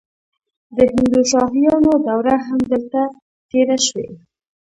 د هندوشاهیانو دوره هم دلته تیره شوې